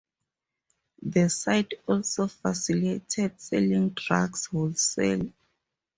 The site also facilitated selling drugs wholesale.